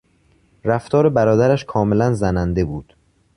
رفتار برادرش کاملا زننده بود.